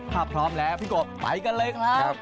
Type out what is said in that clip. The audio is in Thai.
ถ้าพร้อมแล้วพี่โกะไปกันเลยครับ